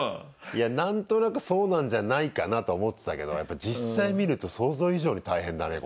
いや何となくそうなんじゃないかなとは思ってたけどやっぱり実際見ると想像以上に大変だね